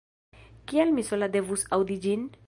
Kial mi sola devus aŭdi ĝin?